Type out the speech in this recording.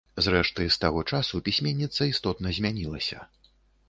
Зрэшты, з таго часу пісьменніца істотна змянілася.